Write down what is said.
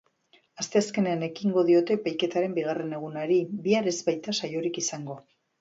Asteazkenean ekingo diote epaiketaren bigarren egunari, bihar ez baita saiorik izango.